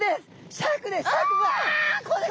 シャークです。